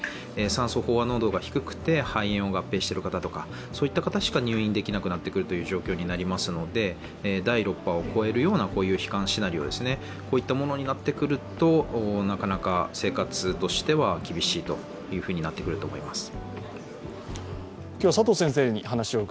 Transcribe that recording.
酸素飽和濃度が低くて肺炎を合併している方とか、そういった方しか入院できなくなってくる状況になりますので第６波を超えるような悲観シナリオになってくるとなかなか生活としては厳しくなってくると思います。